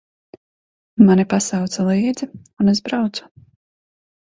Mani pasauca līdzi, un es braucu.